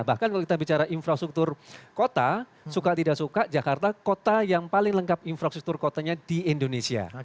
bahkan kalau kita bicara infrastruktur kota suka tidak suka jakarta kota yang paling lengkap infrastruktur kotanya di indonesia